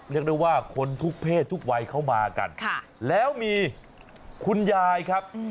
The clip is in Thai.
เรียกได้ว่าคนทุกเพศทุกวัยเขามากันแล้วมีคุณยายครับ